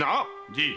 ⁉じい！